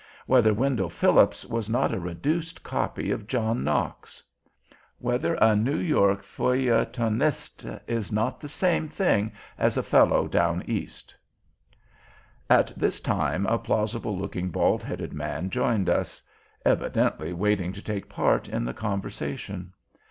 Whether Wendell Fillips were not a reduced copy of John Knocks? Whether a New York Feuilletoniste is not the same thing as a Fellow down East? At this time a plausible looking, bald headed man joined us, evidently waiting to take a part in the conversation.